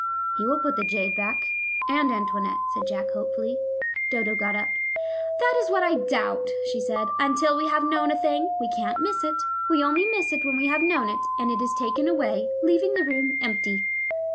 "He will put the jade back and Antoinette," said Jack hopefully. Dodo got up. "That is what I doubt," she said. "Until we have known a thing, we can't miss it. We only miss it when we have known it, and it is taken away, leaving the room empty.